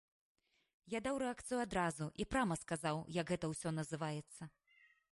Я даў рэакцыю адразу і прама сказаў, як гэта ўсё называецца.